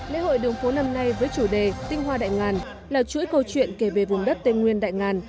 lễ hội đường phố năm nay với chủ đề tinh hoa đại ngàn là chuỗi câu chuyện kể về vùng đất tây nguyên đại ngàn